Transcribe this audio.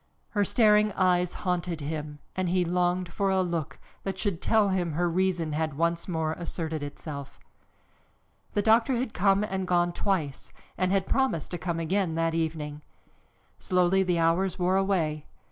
Her staring eyes haunted him and he longed for a look that should tell him her reason had once more asserted itself. The doctor had come and gone twice and had promised to come again that evening. Slowly the hours wore away.